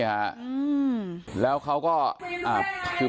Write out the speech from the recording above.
ก็เลยกลับพี่ครับ